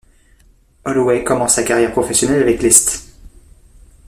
Holway commence sa carrière professionnelle avec les St.